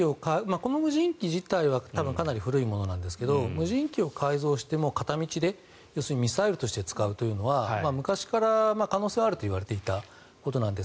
この無人機自体はかなり古いものなんですが無人機を改造して片道で使うというのは昔から可能性はあるといわれていたことなんです。